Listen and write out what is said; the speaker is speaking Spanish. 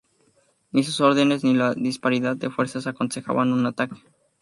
Ni sus órdenes ni la disparidad de fuerzas aconsejaban un ataque.